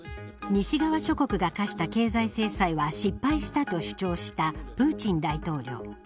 西側諸国が科した経済制裁は失敗したと主張したプーチン大統領。